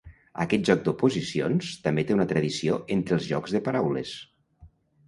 Aquest joc d'oposicions també té una tradició entre els jocs de paraules.